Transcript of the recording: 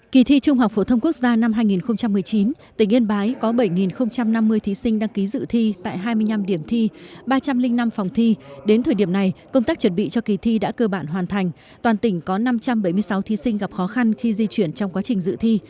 kỳ thi trung học phổ thông quốc gia năm hai nghìn một mươi chín tỉnh yên bái có bảy năm mươi thí sinh đăng ký dự thi tại hai mươi năm điểm thi ba trăm linh năm phòng thi đến thời điểm này công tác chuẩn bị cho kỳ thi đã cơ bản hoàn thành toàn tỉnh có năm trăm bảy mươi sáu thí sinh gặp khó khăn khi di chuyển trong quá trình dự thi